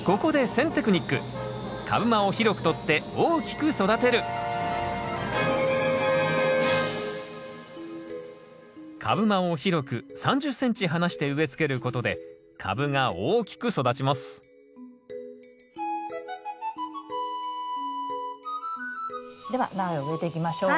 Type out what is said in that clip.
ここで株間を広く３０ｃｍ離して植え付けることで株が大きく育ちますでは苗を植えていきましょう。